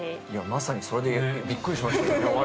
まさにそれでびっくりしました。